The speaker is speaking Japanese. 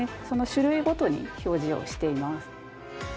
その種類ごとに表示をしています。